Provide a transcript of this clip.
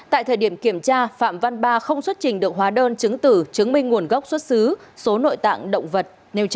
tại thời điểm kiểm tra phạm văn ba không xuất trình được hóa đơn chứng tử chứng minh nguồn gốc xuất xứ số nội tạng động vật